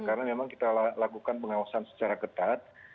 karena memang kita lakukan pengawasan secara ketat